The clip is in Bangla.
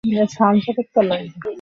খুবই বাজে হলো।